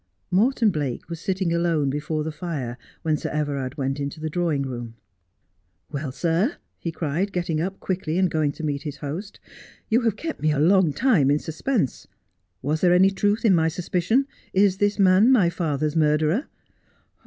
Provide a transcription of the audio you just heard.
Morton Blake was sitting alone before the fire, when Sir Everard went into the drawing room. ' Well, sir,' he cried, getting up quickly and going to meet his host, ' you have kept me a long time in suspense. Was there any truth in my suspicion ? Is this man my father's murderer